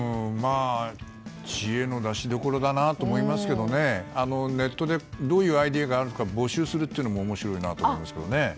知恵の出しどころだなと思いますけどネットでどういうアイデアがあるのか募集するというのも面白いと思いますけどね。